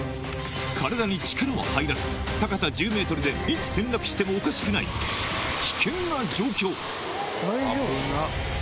体に力は入らず、高さ１０メートルで、いつ転落してもおかしくな大丈夫？